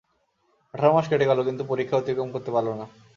আঠার মাস কেটে গেল কিন্তু পরিখা অতিক্রম করতে পারল না।